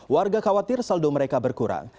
warga khawatir saldo mereka berkurang